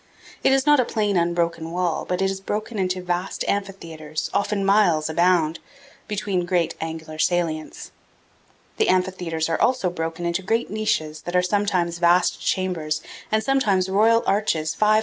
It is not a plain, unbroken wall, but is broken into vast amphitheaters, often miles abound, between great angular salients. The amphitheaters also are broken into great niches that are sometimes vast chambers and sometimes royal arches 500 or 1,000 feet in height.